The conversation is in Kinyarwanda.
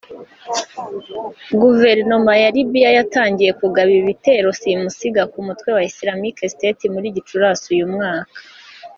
Guverinoma ya Libya yatangiye kugaba ibitero simusiga ku mutwe wa Islamic State muri Gicurasi uyu mwaka